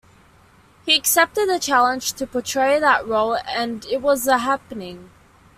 He accepted the challenge to portray that role, and it was a happening.